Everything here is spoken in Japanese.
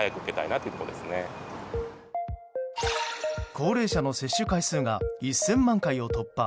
高齢者の接種回数が１０００万回を突破。